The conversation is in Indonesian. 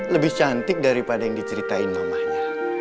lebih cantik daripada yang diceritain mamanya